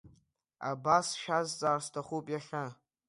Абас сшәазҵаар сҭахуп иахьа…